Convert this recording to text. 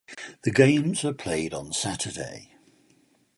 The games are played on Saturday.